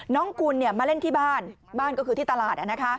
กุลมาเล่นที่บ้านบ้านก็คือที่ตลาด